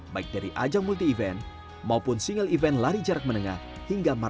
baik dari ajang multi event maupun perang